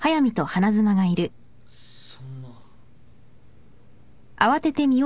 そんな。